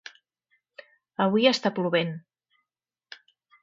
avui està plovent